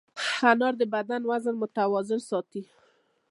انار د بدن وزن متوازن ساتي.